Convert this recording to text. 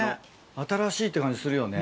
新しいって感じするよね。